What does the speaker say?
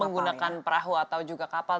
menggunakan perahu atau juga kapal